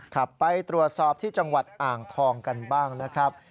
ครับไปตรวจสอบที่จังหวัดอ่างทองกันบ้างนะครับ